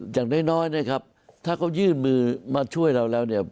อย่างน้อยนะครับถ้าเขายื่นมือมาช่วยเราแล้วเนี่ย